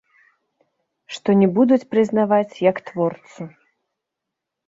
Што не будуць прызнаваць як творцу.